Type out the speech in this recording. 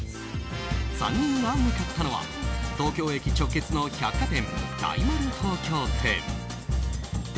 ３人が向かったのは東京駅直結の百貨店、大丸東京店。